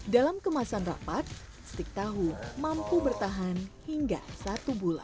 dalam kemasan rapat stik tahu mampu bertahan hingga satu bulan